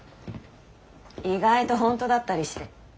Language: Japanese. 意外と本当だったりして。